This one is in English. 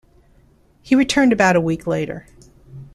He returned about a week later.